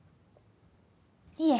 いえ。